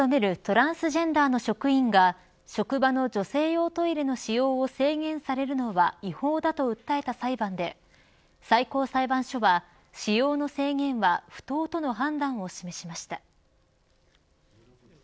経済産業省に勤めるトランスジェンダーの職員が職場の女性用トイレの使用を制限されるのは違法だと訴えた裁判で最高裁判所は使用の制限は不当との判断を示しました。